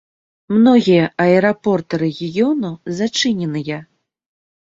Многія аэрапорты рэгіёну зачыненыя.